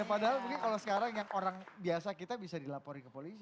padahal mungkin kalau sekarang yang orang biasa kita bisa dilaporin ke polisi